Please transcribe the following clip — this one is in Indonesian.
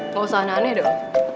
gak usah nanya dong